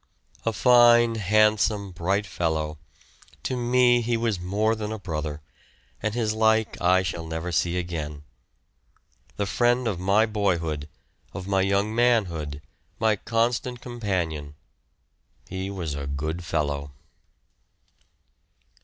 A fine, handsome, bright fellow; to me he was more than a brother, and his like I shall never see again. The friend of my boyhood, of my young manhood, my constant companion; he was a good fellow.